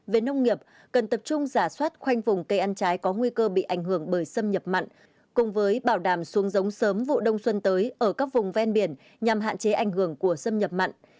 về nông nghiệp cần tập trung giả soát khoanh vùng cây ăn trái có nguy cơ bị ảnh hưởng bởi xâm nhập mặn cùng với bảo đảm xuống giống sớm vụ đông xuân tới ở các vùng ven biển nhằm hạn chế ảnh hưởng của xâm nhập mặn